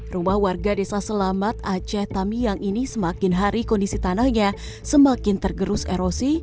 rumah warga desa selamat aceh tamiang ini semakin hari kondisi tanahnya semakin tergerus erosi